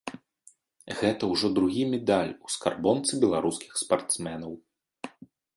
Гэта ўжо другі медаль у скарбонцы беларускіх спартсменаў.